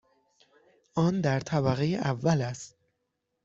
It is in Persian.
آن در طبقه اول است.